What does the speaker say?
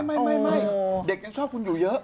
ไม่เด็กยังชอบคุณอยู่เยอะ